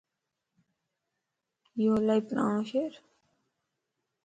ايو الائي پراڻو شھر